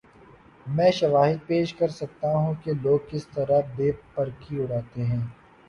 میں شواہد پیش کر سکتا ہوں کہ لوگ کس طرح بے پر کی اڑاتے ہیں۔